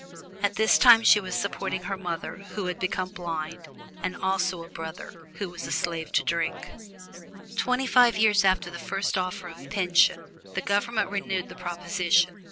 At this time she was supporting her mother, who had become blind, and also a brother, who was a slave to drink. Twenty five years after the first offer of pension, the Government renewed the proposition.